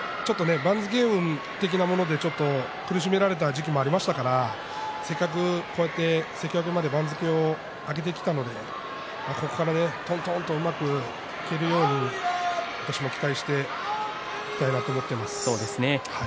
番付運で苦しめられた時期もありましたからせっかく関脇まで番付を上げてきたのでここからぽんぽんとうまくいけるように私も期待していきたいなと思っています。